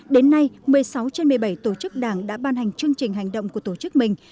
đến nay một mươi sáu trên một mươi bảy tổ chức đảng đã ban hành chương trình hành động của tổ chức mình